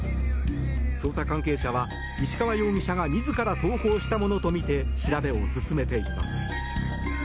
捜査関係者は石川容疑者が自ら投稿したものとみて調べを進めています。